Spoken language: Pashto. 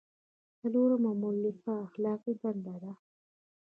څلورمه مولفه اخلاقي دنده ده.